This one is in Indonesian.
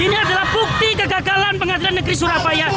ini adalah bukti kegagalan pengadilan negeri surabaya